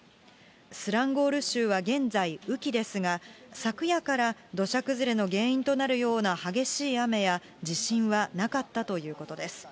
スランゴール州は現在、雨期ですが、昨夜から土砂崩れの原因となるような激しい雨や地震はなかったということです。